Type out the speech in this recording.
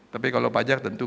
tapi kalau pajak tentu